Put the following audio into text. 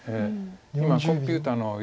今コンピューターの予想